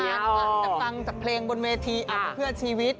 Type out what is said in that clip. ผิวพันธุ์อันดับฟังจากเพลงบนเวทีอ่ะเพื่อชีวิต